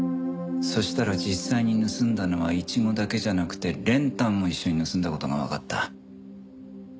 そしたら実際に盗んだのはイチゴだけじゃなくて練炭も一緒に盗んだ事がわかった。